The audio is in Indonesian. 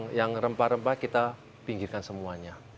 dan yang rempah rempah kita pinggirkan semuanya